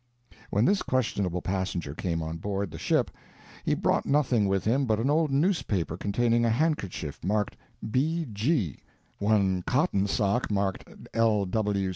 When this questionable passenger came on board the ship, he brought nothing with him but an old newspaper containing a handkerchief marked "B. G.," one cotton sock marked "L.